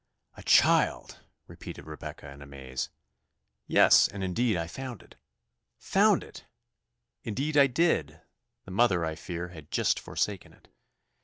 "A child!" repeated Rebecca in amaze. "Yes, and indeed I found it." "Found it!" "Indeed I did. The mother, I fear, had just forsaken it."